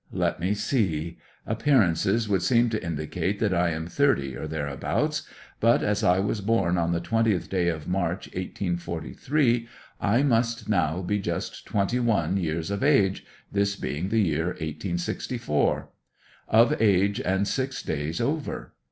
Let me see. Appearances would seem to indicate that I am thirty or thereabouts, but as I was born on the 20th day of March, 1843, I must now be just twenty one years of age, this being the year 1864 Of age and six days over.